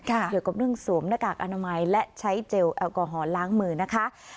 เกี่ยวกับเรื่องสวมหน้ากากอนามัยและใช้เจลแอลกอฮอลล้างมือนะคะ